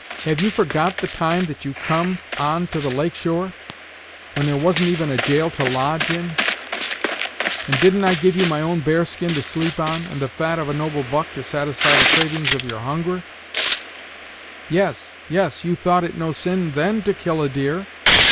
Have you forgot the time that you come on to the lake shore, when there wasn't even a jail to lodge in: and didn't I give you my own bear skin to sleep on, and the fat of a noble buck to satisfy the cravings of your hunger? Yes, yes you thought it no sin then to kill a deer!